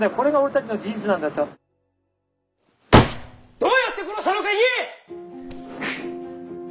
どうやって殺したのか言え！